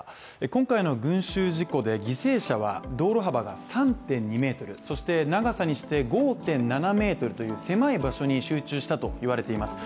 今回の群集事故で犠牲者は道路幅が３．２ｍ、長さにして５．７ｍという狭い場所に集中したといわれています。